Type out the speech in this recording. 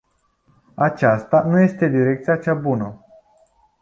Aceasta nu este direcția cea bună.